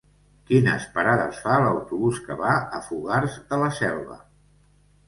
Quines parades fa l'autobús que va a Fogars de la Selva?